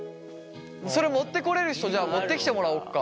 それ持ってこれる人じゃあ持ってきてもらおうか。